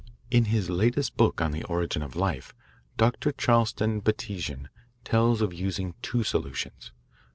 In his latest book on the Origin of Life Dr. Charlton Bastian tells of using two solutions.